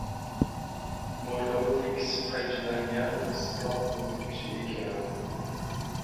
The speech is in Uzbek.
Mo‘ylovi tekis qaychilan- gan qisiqroq ko‘zli kishi ekan.